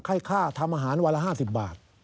ให้ค่าทำอาหารวันละ๕๐บาท